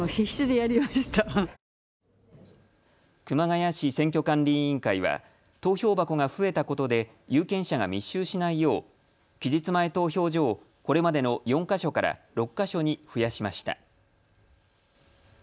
熊谷市選挙管理委員会は投票箱が増えたことで有権者が密集しないよう期日前投票所をこれまでの４か所から６か所に増やしました。